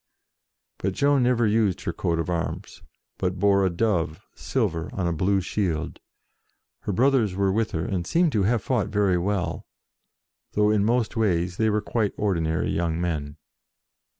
But Joan never used her coat of arms, but bore a Dove, silver, on a blue shield. Her brothers were with her, and seem to have fought very well, though in most ways they were quite ordinary young men.